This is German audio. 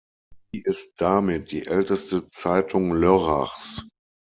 Sie ist damit die älteste Zeitung Lörrachs.